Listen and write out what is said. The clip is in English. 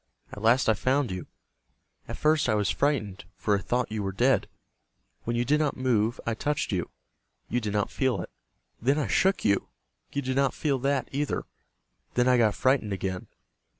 At last I found you. At first I was frightened, for I thought you were dead. When you did not move I touched you. You did not feel it. Then I shook you. You did not feel that either. Then I got frightened again.